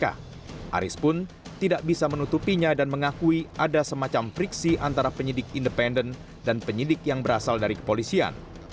aris pun tidak bisa menutupinya dan mengakui ada semacam friksi antara penyidik independen dan penyidik yang berasal dari kepolisian